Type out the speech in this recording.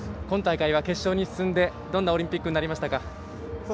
今大会、決勝に進んで、どんなオリンピックになりましたか？